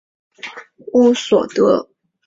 乌索德。